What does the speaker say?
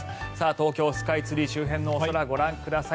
東京スカイツリー周辺のお空ご覧ください。